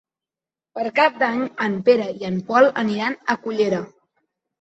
Per Cap d'Any en Pere i en Pol aniran a Cullera.